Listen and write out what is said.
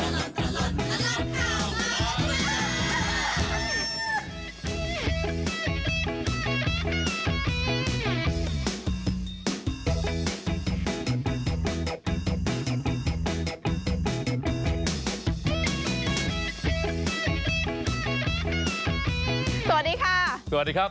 สวัสดีครับ